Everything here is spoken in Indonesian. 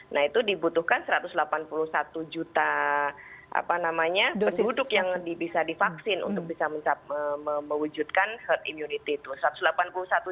nah itu dibutuhkan satu ratus delapan puluh satu juta penduduk yang bisa divaksin untuk bisa mewujudkan herd immunity itu